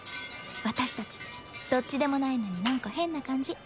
私たちどっちでもないのになんか変な感じ。